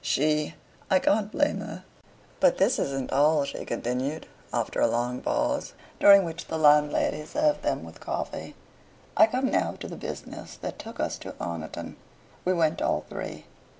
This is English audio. She I can't blame her. "But this isn't all," she continued after a long pause, during which the landlady served them with coffee. "I come now to the business that took us to Oniton. We went all three.